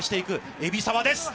海老澤です。